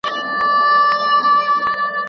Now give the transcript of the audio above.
لمر که مو مرستې ته راځي نو هم سهار به راځي